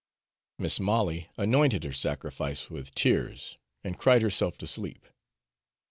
Mis' Molly anointed her sacrifice with tears and cried herself to sleep.